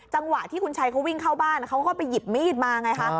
จังหวะที่คุณชัยเขาวิ่งเข้าบ้านเขาก็ไปหยิบมีดมาไงคะ